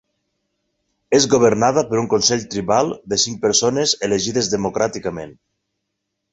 És governada per un consell tribal de cinc persones elegides democràticament.